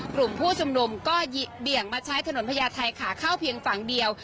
กลุ่มผู้ชุมนุมก็เบี่ยงมาใช้ถนนพญาไทยขาเข้าเพียงฝั่งเดียว